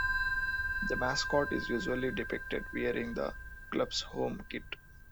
The mascot is usually depicted wearing the club's home kit.